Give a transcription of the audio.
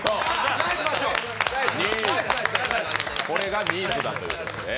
これがニーズだということですね。